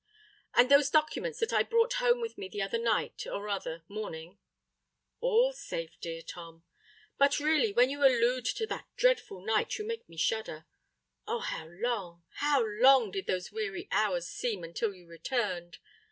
"And those documents that I brought home with me the other night—or rather morning——" "All safe, dear Tom. But really when you allude to that dreadful night, you make me shudder. Oh! how long—how long did those weary hours seem, until you returned!